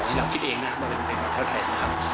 แต่เราคิดเองนะครับว่าเป็นนักเตะของชาวไทยนะครับ